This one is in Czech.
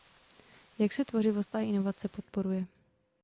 Jak se tvořivost a inovace podporuje?